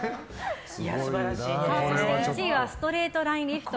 そして、１位はストレートラインリフト。